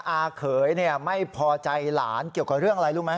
อาเขยไม่พอใจหลานเกี่ยวกับเรื่องอะไรรู้ไหม